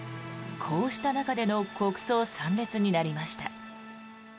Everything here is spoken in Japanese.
こうした中での国葬参列になりました。